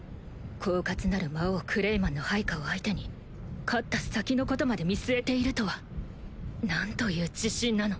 狡猾なる魔王クレイマンの配下を相手に勝った先のことまで見据えているとは何という自信なの